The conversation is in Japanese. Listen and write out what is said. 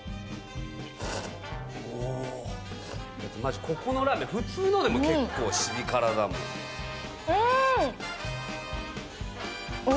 おおマジここのラーメン普通のでも結構シビ辛だもんうんえ！？